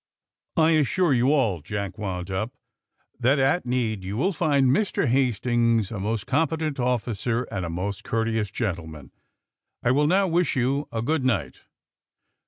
I assure you all," Jack wound up, ^^that at need you will find Mr. Hastings a most compe tent officer and a most courteous gentleman. I will now wish you good night.